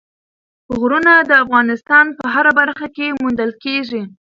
غرونه د افغانستان په هره برخه کې موندل کېږي.